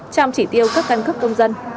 trong chỉ tiêu các căn cước công dân